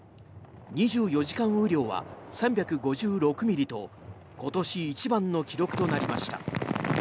２４時間雨量は３５６ミリと今年一番の記録となりました。